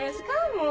もう。